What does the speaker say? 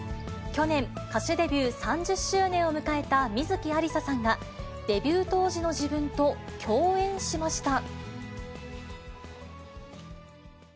去年、歌手デビュー３０周年を迎えた観月ありささんが、デビュー当時の自分と共演しました。